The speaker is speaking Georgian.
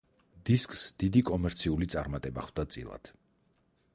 დისკს დიდი კომერციული წარმატება ხვდა წილად.